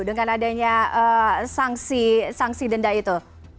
dengan adanya sanksi denda itu